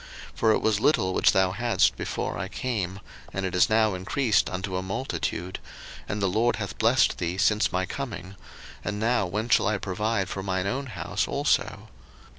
01:030:030 For it was little which thou hadst before I came, and it is now increased unto a multitude; and the LORD hath blessed thee since my coming: and now when shall I provide for mine own house also?